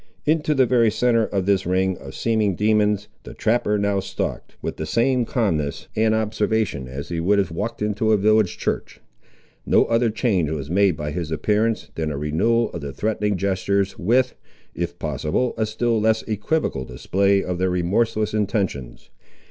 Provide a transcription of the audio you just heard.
Into the very centre of this ring of seeming demons, the trapper now stalked, with the same calmness and observation as he would have walked into a village church. No other change was made by his appearance, than a renewal of the threatening gestures, with, if possible, a still less equivocal display of their remorseless intentions.